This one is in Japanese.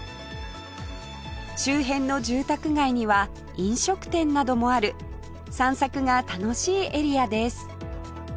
周辺の住宅街には飲食店などもある散策が楽しいエリアです